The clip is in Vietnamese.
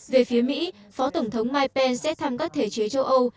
về phía mỹ phó tổng thống mike pence thăm các thể chế châu âu